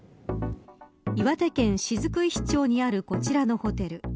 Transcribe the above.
岩手県雫石町にあるこちらのホテル。